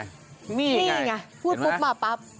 นี่ไงพูดปุ๊บมาปั๊บ